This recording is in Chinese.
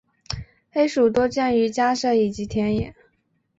黑鼠多见于家舍以及田野。